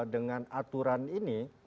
dengan aturan ini